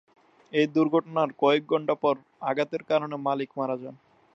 এই দূর্ঘটনার কয়েক ঘণ্টা পর আঘাতের কারণে মালিক মারা যান।